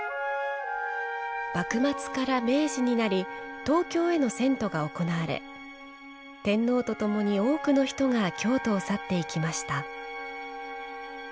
幕末から明治になり東京への遷都が行われ天皇とともに多くの人が京都を去っていきました。